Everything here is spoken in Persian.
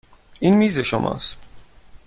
این میز شماست.